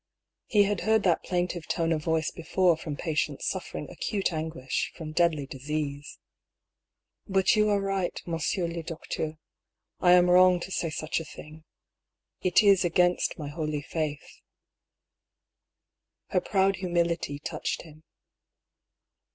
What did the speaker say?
He had heard that plaintive tone of voice before from patients suffer ing acute anguish from deadly disease. " But you are right, monsieur le docteur, I am wrong to say such a thing. It is against my holy faith." 14 204 I>R. PAULL'S THEORY. Her proud humility touched him.